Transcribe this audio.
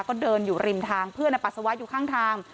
ก็เดินอยู่ริมทางเพื่อนปัสสาวะอยู่ข้างทาง